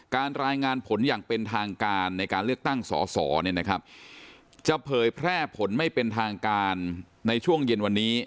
รายงานผลอย่างเป็นทางการในการเลือกตั้งสอสอจะเผยแพร่ผลไม่เป็นทางการในช่วงเย็นวันนี้